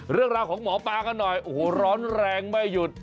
เรื่องราวของหมอปลากันหน่อยโอ้โหร้อนแรงไม่หยุด